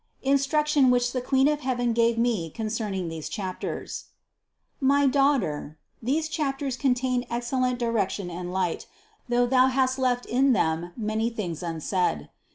INSTRUCTION WHICH THE QUEEN OF HEAVEN GAVE ME CONCERNING THESE CHAPTERS. 310. My daughter, these chapters contain excellent direction and light, though thou hast left in them many things unsaid.